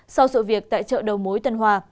sau sự việc tại chợ đầu mối tân hòa